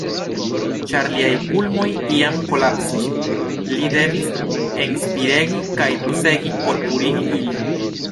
Ĉar liaj pulmoj iam kolapsis, li devis enspiregi kaj tusegi por purigi ilin.